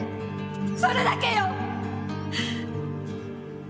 それだけよ！